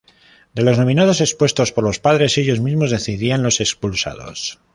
De los nominados expuestos por los padres, ellos mismos decidían los expulsados.